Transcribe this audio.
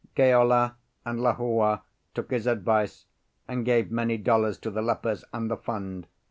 Keola and Lehua took his advice, and gave many dollars to the lepers and the fund.